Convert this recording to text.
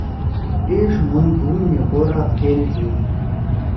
ایݜ مُھون بُھوم می غورا پھیل ہی۔